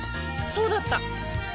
そうだった！